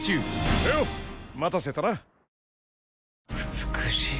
美しい。